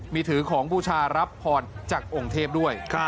มีถือของบูชารับพรจากองค์เทพด้วย